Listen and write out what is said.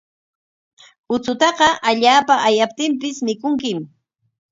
Uchutaqa allaapa ayaptinpis mikunkim.